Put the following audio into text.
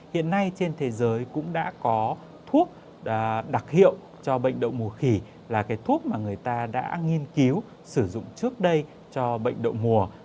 hiện nay trên thế giới cũng đã có thuốc đặc hiệu cho bệnh đậu mùa khỉ là cái thuốc mà người ta đã nghiên cứu sử dụng trước đây cho bệnh đậu mùa